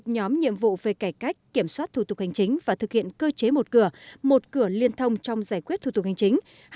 một nhóm nhiệm vụ về cải cách kiểm soát thủ tục hành chính và thực hiện cơ chế một cửa một cửa liên thông trong giải quyết thủ tục hành chính